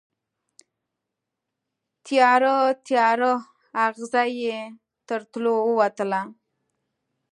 تیاره، تیاره اغزې یې تر تلو ووتله